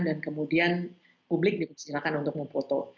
dan kemudian publik diserahkan untuk memfoto